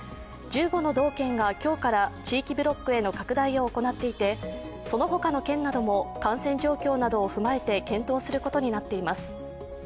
１５の道県が今日から地域ブロックへの拡大を行っていてそのほかの県なども感染状況などを踏まえて検討することになっています。